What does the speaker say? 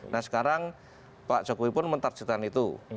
nah sekarang pak jokowi pun mentarjetkan itu